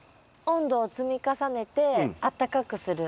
温度を積み重ねてあったかくする。